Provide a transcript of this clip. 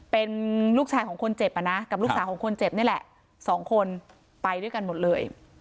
เป็นลูกชายของคนเจ็บอ่ะนะกับลูกสาวของคนเจ็บนี่แหละสองคนไปด้วยกันหมดเลย